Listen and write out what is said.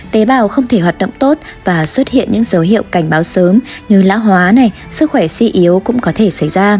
tế bào không thể hoạt động tốt và xuất hiện những dấu hiệu cảnh báo sớm như lão hóa sức khỏe si yếu cũng có thể xảy ra